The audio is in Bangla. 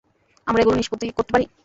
আমরা এগুলোর নিষ্পত্তি করতে পারি।